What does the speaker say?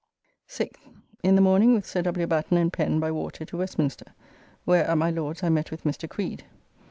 6th. In the morning with Sir W. Batten and Pen by water to Westminster, where at my Lord's I met with Mr. Creed.